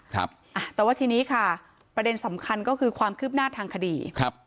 ข้าแต่ว่าทีนี้ค่ะปัญแดนสำคัญก็คือความคลึบหน้าทางคดี